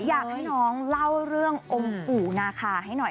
อยากให้น้องเล่าเรื่ององค์ปู่นาคาให้หน่อย